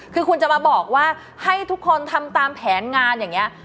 คือคุณจะมาบอกว่าให้ทุกคนทำตามแผนงานอย่างนี้